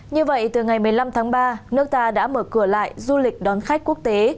như vậy từ ngày một mươi năm tháng ba nước ta đã mở cửa lại du lịch đón khách quốc tế